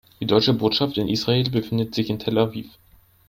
Die Deutsche Botschaft in Israel befindet sich in Tel Aviv.